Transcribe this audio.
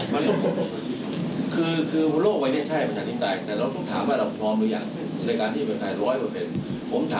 ไม่ใช่มันเป็นระบบของที่ดีที่สุด